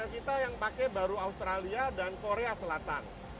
kita yang pakai baru australia dan korea selatan